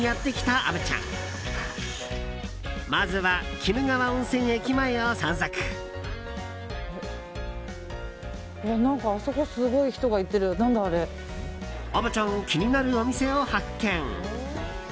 虻ちゃん、気になるお店を発見。